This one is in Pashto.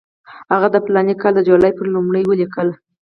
هغه د فلاني کال د جولای پر لومړۍ ولیکل.